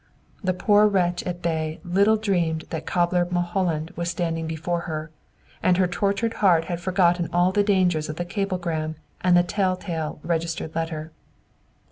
The poor wretch at bay little dreamed that cobbler Mulholland was standing before her, and her tortured heart had forgotten all the dangers of the cablegram and the tell tale registered letter.